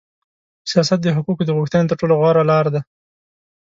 سیاست د حقوقو د غوښتنې تر ټولو غوړه لار ده.